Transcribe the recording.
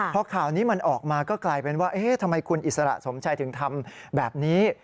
พอข่าวนี้มันออกมาก็กลายเป็นว่าทำไมคุณอิสระสมชัยถึงทำแบบนี้